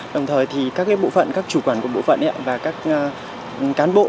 đồng thời các chủ quản của bộ phận và các cán bộ